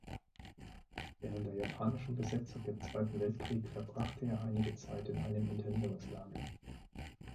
Während der japanischen Besetzung im Zweiten Weltkrieg verbrachte er einige Zeit in einem Internierungslager.